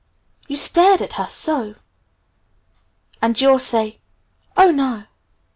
You stared at her so!' And you'll say, 'Oh, no!